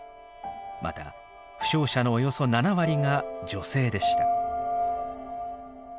また負傷者のおよそ７割が女性でした。